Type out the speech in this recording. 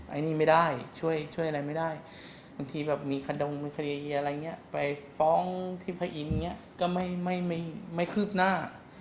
อันนี้ไม่ได้ช่วยอะไรไม่ได้บางทีแบบมีขดงมีคดีอะไรอย่างนี้ไปฟ้องที่พระอินทร์อย่างนี้ก็ไม่คืบหน้า